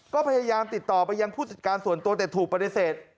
ก็พยายามติดต่อไปยังผู้จัดการส่วนตัวแต่ถูกปฏิเสธ